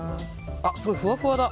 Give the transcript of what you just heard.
すごい、ふわふわだ。